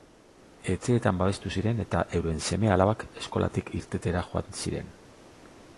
Etxeetan babestu ziren eta euren seme-alabak eskolatik irtetera joan ziren.